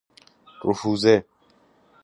رفوزه